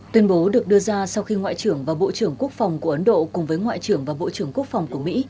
tuyên bố được đưa ra sau khi ngoại trưởng và bộ trưởng quốc phòng của ấn độ cùng với ngoại trưởng và bộ trưởng quốc phòng của mỹ